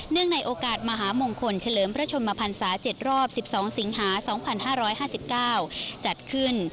ในโอกาสมหามงคลเฉลิมพระชนมพันศา๗รอบ๑๒สิงหา๒๕๕๙จัดขึ้น